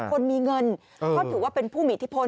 คนมีเงินเขาถือว่าผู้มีอิทธิพล